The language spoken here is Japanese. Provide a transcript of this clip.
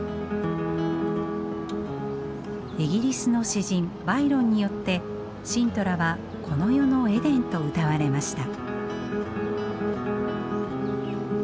イギリスの詩人バイロンによってシントラはこの世のエデンとうたわれました。